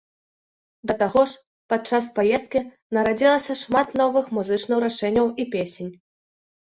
Да таго ж пад час паездкі нарадзілася шмат новых музычных рашэнняў і песень.